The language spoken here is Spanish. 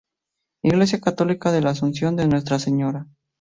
Iglesia católica de la "Asunción de Nuestra Señora.